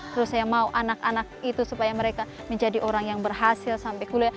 terus saya mau anak anak itu supaya mereka menjadi orang yang berhasil sampai kuliah